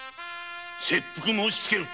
切腹申し付ける！